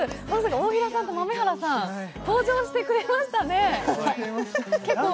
大平さんと、豆原さん、登場してくれましたね。